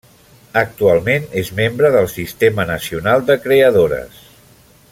Actualment és membre del Sistema Nacional de Creadores.